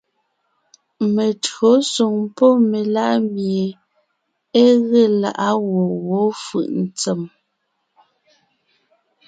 Meÿǒsoŋ pɔ́ melá’ mie é ge lá’a gwɔ̂ wó fʉʼ ntsèm :